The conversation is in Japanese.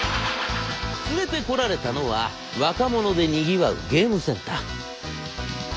連れてこられたのは若者でにぎわうゲームセンター。